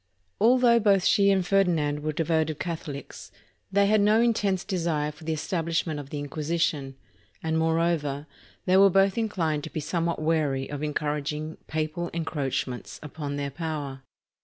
Although both she and Ferdinand were devoted Catho lics, they had no intense desire for the establishment of the Inquisition, and moreover, they were both inclined to be somewhat wary of encouraging papal encroachments upon their power.